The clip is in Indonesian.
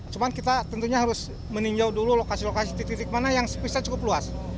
cuma kita tentunya harus meninjau dulu lokasi lokasi titik titik mana yang spesial cukup luas